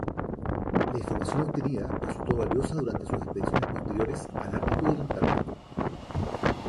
La información obtenida resultó valiosa durante sus expediciones posteriores al Ártico y el Antártico.